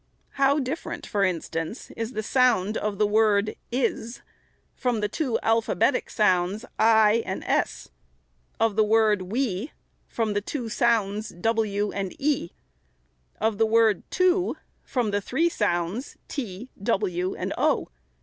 How different, for instance, is the sound of the word is, from the two alphabetic sounds, i and s; — of the word we, from the two sounds, w and e; — of the word two, from the three sounds, t, w, and o.